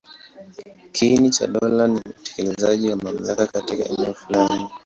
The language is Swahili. Kiini cha dola ni utekelezaji wa mamlaka katika eneo fulani.